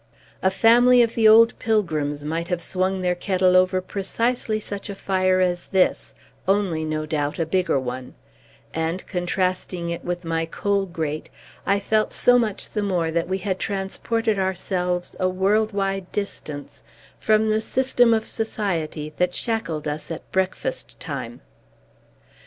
A family of the old Pilgrims might have swung their kettle over precisely such a fire as this, only, no doubt, a bigger one; and, contrasting it with my coal grate, I felt so much the more that we had transported ourselves a world wide distance from the system of society that shackled us at breakfast time.